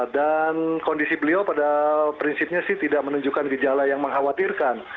dan kondisi beliau pada prinsipnya sih tidak menunjukkan gejala yang mengkhawatirkan